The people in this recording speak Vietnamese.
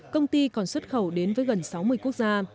công ty còn xuất khẩu đến với gần sáu mươi quốc gia